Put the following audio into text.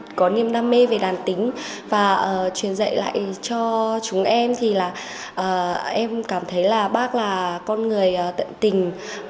tôi có niềm đam mê về đàn tính và truyền dạy lại cho chúng em thì là em cảm thấy là bác là con người tận tình